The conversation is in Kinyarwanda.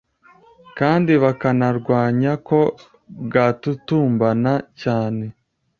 kandi bakanarwanyako bwatutumbana cyane.